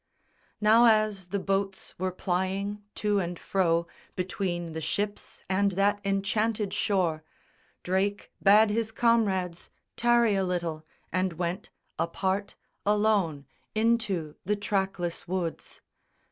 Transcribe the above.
Now as the boats were plying to and fro Between the ships and that enchanted shore, Drake bade his comrades tarry a little and went Apart, alone, into the trackless woods.